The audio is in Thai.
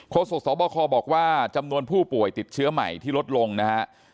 โศกสบคบอกว่าจำนวนผู้ป่วยติดเชื้อใหม่ที่ลดลงนะฮะ